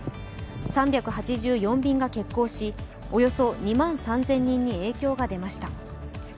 ３８４便が欠航し、およそ２万３０００人に影響が出ました。